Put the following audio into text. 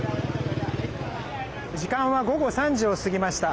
時間は午後３時を過ぎました。